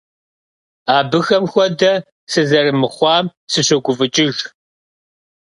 Абыхэм хуэдэ сызэрымыхъуам сыщогуфӀыкӀыж.